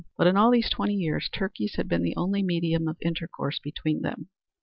But in all these twenty years turkeys had been the only medium of intercourse between them.